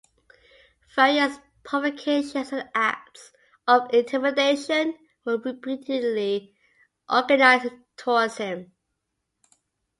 Various provocations and acts of intimidation were repeatedly organized towards him.